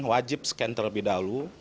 wajib scan terlebih dahulu